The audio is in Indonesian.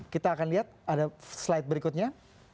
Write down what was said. kita akan lihat ada slide berikutnya